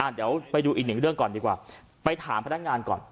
เดี๋ยวไปดูอีกหนึ่งเรื่องก่อนดีกว่าไปถามพนักงานก่อน